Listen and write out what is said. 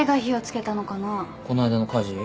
こないだの火事？